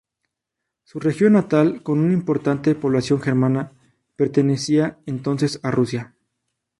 Su región natal, con una importante población germana, pertenecía entonces a Rusia.